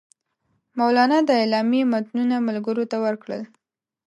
مولنا د اعلامیې متنونه ملګرو ته ورکړل.